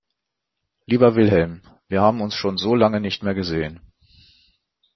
Lieber Wilhelm, wir haben uns schon so lange nicht mehr gesehen.